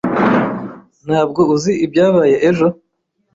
Ntabwo uzi ibyabaye ejo?